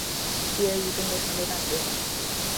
毕业于中国传媒大学。